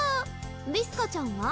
ビスカちゃんは？